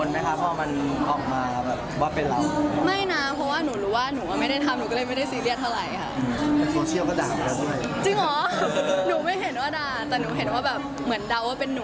มองว่ามันเป็นการเหมือนสกัดดาวรุ่งอะไรไหมขาวเหมือนกัน